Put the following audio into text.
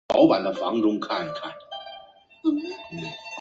条裂叶报春为报春花科报春花属下的一个种。